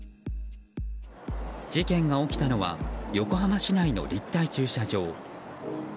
事件が起きたのは横浜市内の立体駐車場。